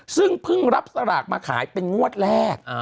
ซึ่งเพิ่งรับสลากมาขายเป็นงวดแรก